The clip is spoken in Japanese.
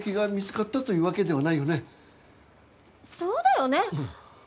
そうだよね。